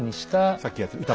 さっきやった歌麿。